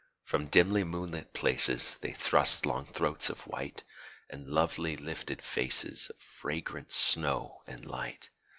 From dimly moonlit places They thrust long throats of white, And lovely lifted faces Of fragrant snow and light.